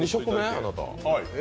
あなた。